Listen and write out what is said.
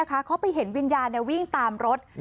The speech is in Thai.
เขาไปเห็นวิญญาณวิ่งตามรถ